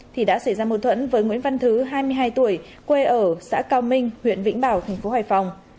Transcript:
thì đã xảy ra mâu thuẫn với nguyễn văn thứ hai mươi hai tuổi quê ở xã cao minh huyện vĩnh bảo thành phố hải phòng